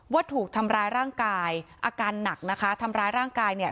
ว่าถูกทำร้ายร่างกายอาการหนักนะคะทำร้ายร่างกายเนี่ย